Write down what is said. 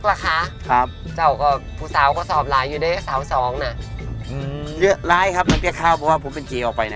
เล็กเหรอคะ